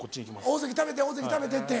大関食べて大関食べてって。